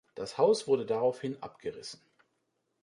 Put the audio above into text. Das Haus wurde daraufhin abgerissen.